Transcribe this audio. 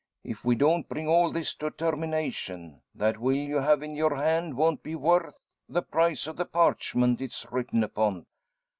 If we don't bring all this to a termination, that will you have in your hand won't be worth the price of the parchment it's written upon.